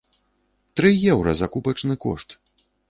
Тры еўра закупачны кошт!